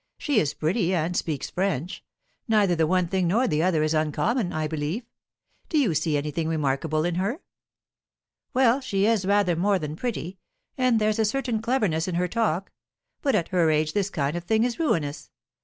She is pretty, and speaks French; neither the one thing nor the other is uncommon, I believe. Do you see anything remarkable in her?" "Well, she is rather more than pretty; and there's a certain cleverness in her talk. But at her age this kind of thing is ruinous.